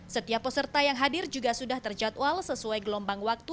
setiap peserta yang hadir juga sudah terjadwal sesuai gelombang waktu